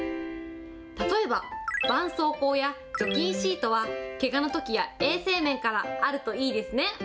例えば、ばんそうこうや除菌シートは、けがのときや衛生面から、あるといいですね。